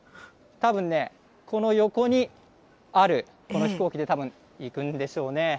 たぶんね、この横にある、この飛行機で行くんでしょうね。